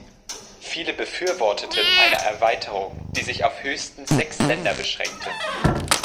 Viele befürworteten eine Erweiterung, die sich auf höchstens sechs Länder beschränkte.